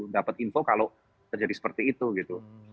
dapat info kalau terjadi seperti itu gitu